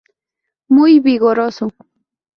Muy vigoroso.